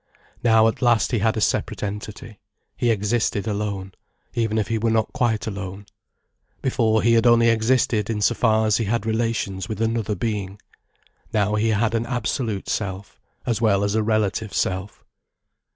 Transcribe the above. Now at last he had a separate identity, he existed alone, even if he were not quite alone. Before he had only existed in so far as he had relations with another being. Now he had an absolute self—as well as a relative self.